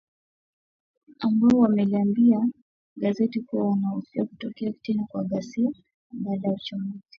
Ambao wameliambia gazeti kuwa wanahofia kutokea tena kwa ghasia za baada ya uchaguzi